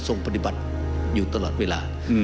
ปฏิบัติอยู่ตลอดเวลา